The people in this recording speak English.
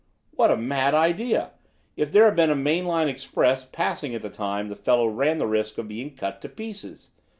"What a mad idea! If there had been a main line express passing at the time the fellow ran the risk of being cut to pieces.